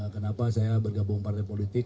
kenapa saya bergabung partai politik